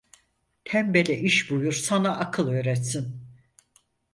Tembele iş buyur sana akıl öğretsin.